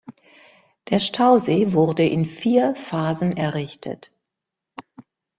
Der Stausee wurde in vier Phasen errichtet.